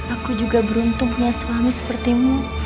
aku juga beruntung punya suami seperti kamu